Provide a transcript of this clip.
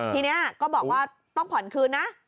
ทีนี้ก็บอกว่าต้องผ่อนคืนนะ